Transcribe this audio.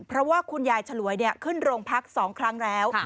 เพราะว่าคุณยายฉลวยขึ้นโรงพัก๒ครั้งแล้ว